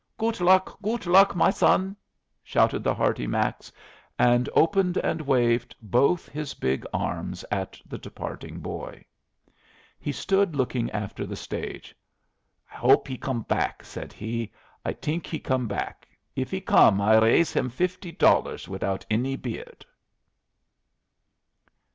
"Goot luck, goot luck, my son!" shouted the hearty Max, and opened and waved both his big arms at the departing boy: He stood looking after the stage. "I hope he come back," said he. "I think he come back. If he come I r raise him fifty dollars without any beard."